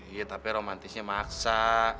iya tapi romantisnya maksa